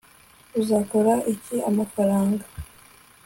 uzakora iki amafaranga